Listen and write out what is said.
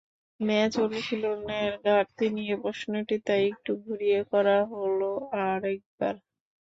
Match অনুশীলনের ঘাটতি নিয়ে প্রশ্নটি তাই একটু ঘুরিয়ে করা হলো আরেকবার।